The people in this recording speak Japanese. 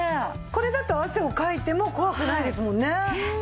これだと汗をかいても怖くないですもんね。